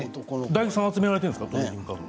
大吉さん集められているんですか？